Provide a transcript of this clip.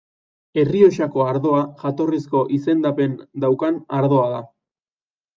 Errioxako ardoa jatorrizko izendapena daukan ardoa da.